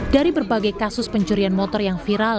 dari berbagai kasus pencurian motor yang viral